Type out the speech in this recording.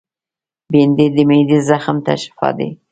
بېنډۍ د معدې زخم ته شفاء ده